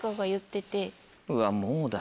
うわもうだ。